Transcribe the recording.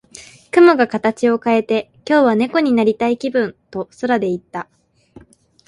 雲が形を変えて、「今日は猫になりたい気分」と空で言った。